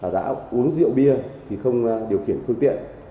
đã uống rượu bia thì không điều khiển phương tiện